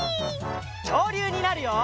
きょうりゅうになるよ！